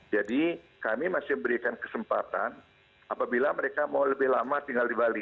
jadi kami masih memberikan kesempatan apabila mereka mau lebih lama tinggal di bali